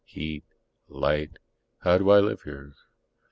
heat ... light ... how do I live here?"